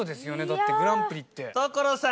だってグランプリって。